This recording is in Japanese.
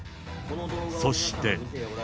そして。